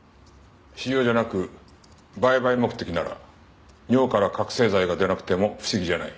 使用じゃなく売買目的なら尿から覚せい剤が出なくても不思議じゃない。